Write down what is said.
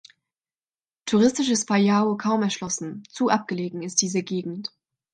Touristisch ist Phayao kaum erschlossen, zu abgelegen ist diese Gegend.